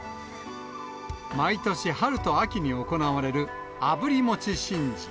毎年、春と秋に行われるあぶりもち神事。